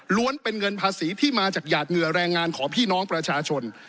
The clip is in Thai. เป็นเงินภาษีที่มาจากหยาดเหงื่อแรงงานของพี่น้องประชาชน